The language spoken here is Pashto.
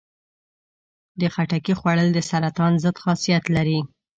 د خټکي خوړل د سرطان ضد خاصیت لري.